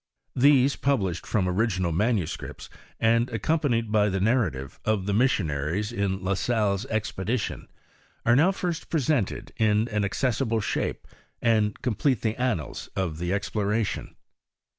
These published from original manuscripts, and accompanied by the narratives of the missionaries in La Salle's expedition, are now first presented in an accessible shape, and complete the annals of the exploration.